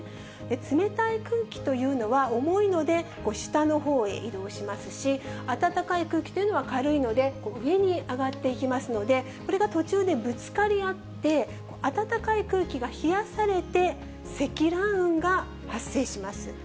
冷たい空気というのは重いので、下のほうへ移動しますし、暖かい空気というのは軽いので、上に上がっていきますので、それが途中でぶつかり合って、暖かい空気が冷されて積乱雲が発生します。